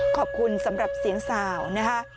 ขอบคุณสำหรับเสียงสาวนะคะ